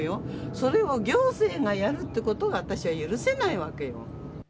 それを行政がやるっていうことが、私は許せないわけよ。